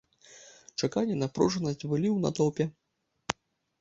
Чаканне, напружанасць былі ў натоўпе.